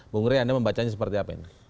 bung rey anda membacanya seperti apa ini